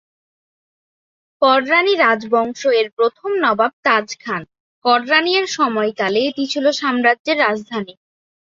কররানী রাজবংশ এর প্রথম নবাব তাজ খান কররানী এর সময়কালে এটি ছিল সাম্রাজ্যের রাজধানী।